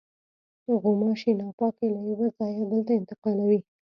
غوماشې ناپاکي له یوه ځایه بل ته انتقالوي.